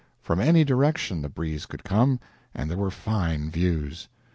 From any direction the breeze could come, and there were fine views.